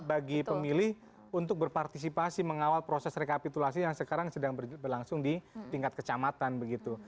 bagi pemilih untuk berpartisipasi mengawal proses rekapitulasi yang sekarang sedang berlangsung di tingkat kecamatan begitu